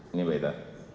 ini mbak ita